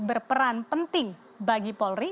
berperan penting bagi polri